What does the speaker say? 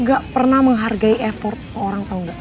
ga pernah menghargai effort seseorang tau ga